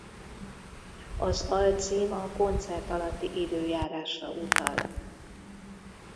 Az alcím a koncert alatti időjárásra utal.